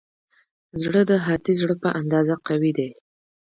زړه د هاتي زړه په اندازه قوي دی.